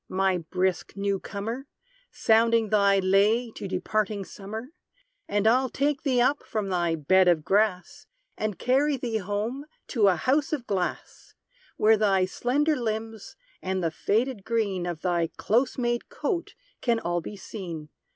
my brisk new comer, Sounding thy lay to departing summer; And I'll take thee up from thy bed of grass, And carry thee home to a house of glass; Where thy slender limbs, and the faded green Of thy close made coat, can all be seen.